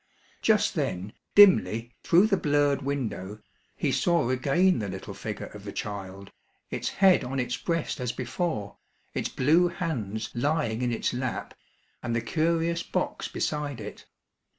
Just then, dimly, through the blurred window, he saw again the little figure of the child, its head on its breast as before, its blue hands lying in its lap and the curious box beside it.